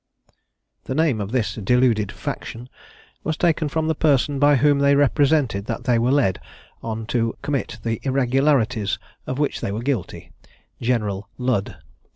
The name of this deluded faction was taken from the person by whom they represented that they were led on to commit the irregularities of which they were guilty General Ludd.